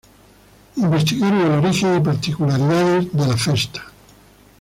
Investigaron el origen y particularidades de La Festa.